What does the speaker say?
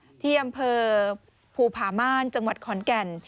ที่อำเภอภูผาม่านจังหวัดขอนแก่น